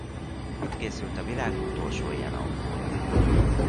Itt készült a világ utolsó ilyen autója.